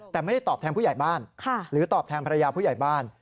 แต่ไม่ได้ตอบแทนผู้ใหญ่บ้านหรือตอบแทนภรรยาผู้ใหญ่บ้าน